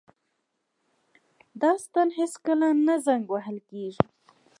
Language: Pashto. دا ستن هیڅکله نه زنګ وهل کیږي.